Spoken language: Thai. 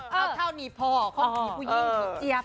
เอาเท่านี้พอครับมีผู้หญิงเจียบ